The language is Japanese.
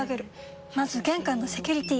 まず玄関のセキュリティ！